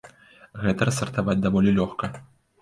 Гэта рассартаваць даволі лёгка.